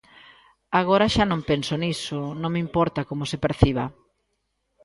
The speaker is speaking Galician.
Agora xa non penso niso, non me importa como se perciba.